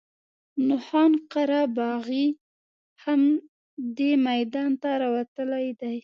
نو خان قره باغي هم دې میدان ته راوتلی دی.